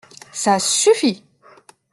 Ça suffit !